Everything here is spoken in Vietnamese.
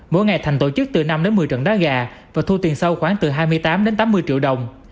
mỗi ngày thành tổ chức từ năm đến một mươi trận đá gà và thu tiền sâu khoảng từ hai mươi tám đến tám mươi triệu đồng